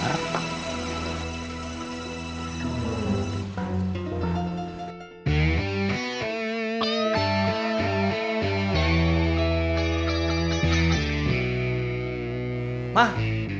jadi gini mah